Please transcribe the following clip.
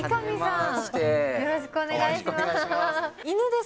よろしくお願いします。